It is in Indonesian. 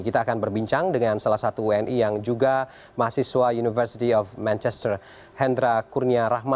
kita akan berbincang dengan salah satu wni yang juga mahasiswa university of manchester hendra kurnia rahma